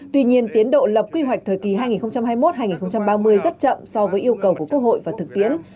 tuy nhiên tiến độ lập quy hoạch thời kỳ hai nghìn hai mươi một hai nghìn ba mươi rất chậm so với yêu cầu của quốc hội và thực tiễn